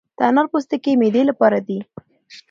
د انار پوستکي د معدې لپاره دي.